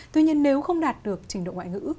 tuy nhiên nếu không đạt được trình độ ngoại ngữ